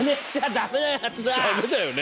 ダメだよね。